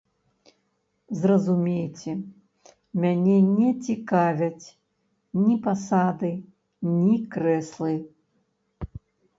Зразумейце, мяне не цікавяць ні пасады, ні крэслы.